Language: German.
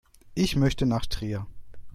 Ich möchte nach Trier